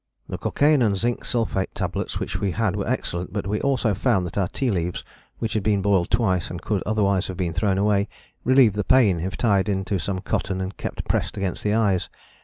The cocaine and zinc sulphate tablets which we had were excellent, but we also found that our tea leaves, which had been boiled twice and would otherwise have been thrown away, relieved the pain if tied into some cotton and kept pressed against the eyes.